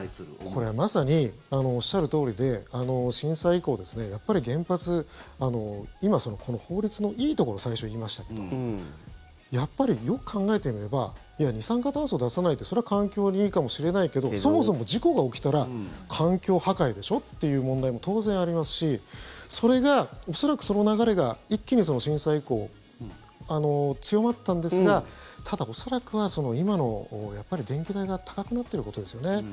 これはまさにおっしゃるとおりで震災以降、やっぱり原発今、法律のいいところを最初に言いましたけどやっぱりよく考えてみればいや、二酸化炭素を出さないってそれは環境にいいかもしれないけどそもそも事故が起きたら環境破壊でしょっていう問題も当然ありますしそれが、恐らくその流れが一気に震災以降、強まったんですがただ、恐らくは、今の電気代が高くなっていることですよね。